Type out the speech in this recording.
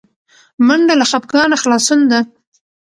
منډه له خپګانه خلاصون ده